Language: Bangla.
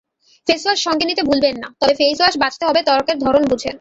ফেসওয়াশ সঙ্গে নিতে ভুলবেন না, তবে ফেসওয়াশ বাছতে হবে ত্বকের ধরন বুঝে।